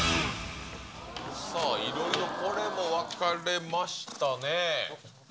さあ、いろいろ、これも分かれましたね。